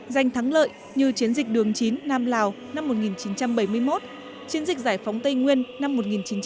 giành thắng lợi như chiến dịch đường chín nam lào năm một nghìn chín trăm bảy mươi một chiến dịch giải phóng tây nguyên năm một nghìn chín trăm bảy mươi